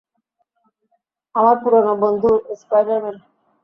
আমার পুরানো বন্ধু স্পাইডার-ম্যান।